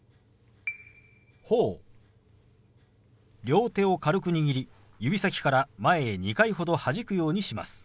両手を軽く握り指先から前へ２回ほどはじくようにします。